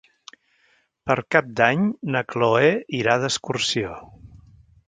Per Cap d'Any na Chloé irà d'excursió.